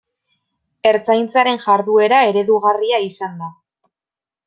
Ertzaintzaren jarduera eredugarria izan da.